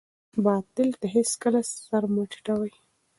باطل ته هېڅکله سر مه ټیټوئ.